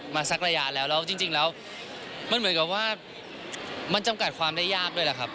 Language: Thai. สักระยะแล้วแล้วจริงแล้วมันเหมือนกับว่ามันจำกัดความได้ยากด้วยแหละครับ